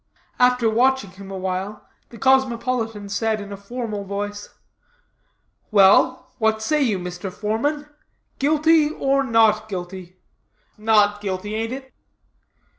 After watching him a while, the cosmopolitan said in a formal voice, "Well, what say you, Mr. Foreman; guilty, or not guilty? Not guilty, ain't it?"